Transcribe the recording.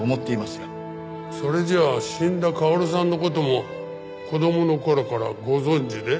それじゃあ死んだ薫さんの事も子どもの頃からご存じで？